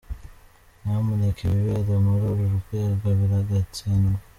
nyamuneka ibibera muri uru rwego biragatsindwa.